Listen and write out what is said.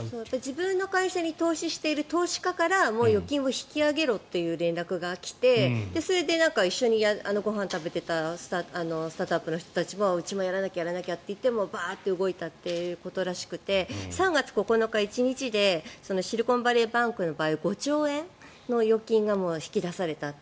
自分の会社に投資している投資家から預金を引き揚げろという連絡が来てそれで一緒にご飯を食べていたスタートアップの人たちもうちもやらなきゃって言ってバーッと動いたということらしくて３月９日の１日でシリコンバレーバンクの場合５兆円の預金が引き出されたって。